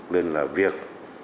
nên là việc